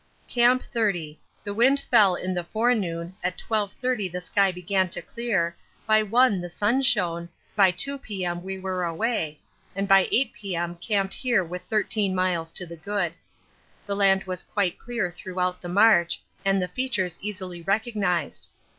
Camp 30. The wind fell in the forenoon, at 12.30 the sky began to clear, by 1 the sun shone, by 2 P.M. we were away, and by 8 P.M. camped here with 13 miles to the good. The land was quite clear throughout the march and the features easily recognised.